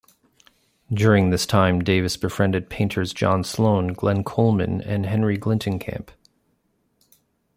During this time, Davis befriended painters John Sloan, Glenn Coleman and Henry Glintenkamp.